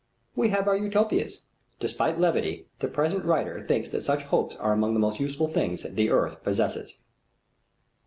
We have our Utopias. Despite levity, the present writer thinks that such hopes are among the most useful things the earth possesses.